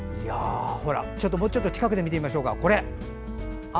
もうちょっと近くで見てみましょうか。